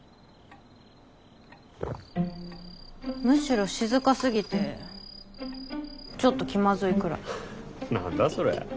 むしろ静かすぎてちょっと気まずいくらい。